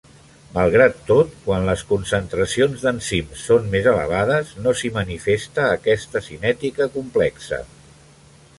Malgrat tot, quan les concentracions d'enzims són més elevades, no s'hi manifesta aquesta cinètica complexa.